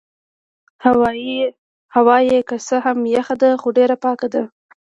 هوا يې که څه هم یخه ده خو ډېره پاکه ده.